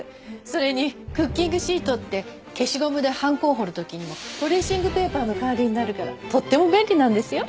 それにクッキングシートって消しゴムではんこを彫る時にもトレーシングペーパーの代わりになるからとっても便利なんですよ。